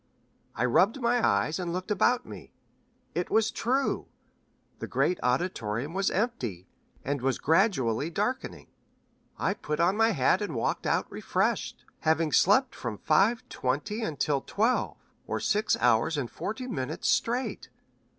I rubbed my eyes, and looked about me. It was true the great auditorium was empty, and was gradually darkening. I put on my hat and walked out refreshed, having slept from five twenty until twelve, or six hours and forty minutes straight.